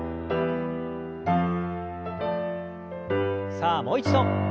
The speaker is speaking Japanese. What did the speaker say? さあもう一度。